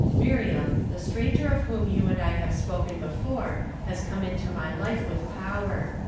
Miriam, the stranger of whom you and I have spoken before has come into my life with power.